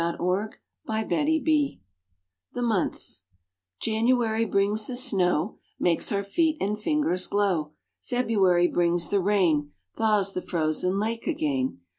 SEASONS AND WEATHER THE MONTHS January brings the snow, Makes our feet and fingers glow. February brings the rain, Thaws the frozen lake again.